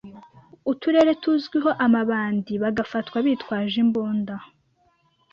uturere tuzwiho amabandibagafatwa bitwaje imbunda.